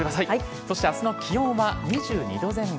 明日の気温は２２度前後。